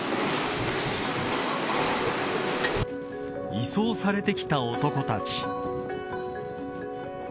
移送されてきた男たち。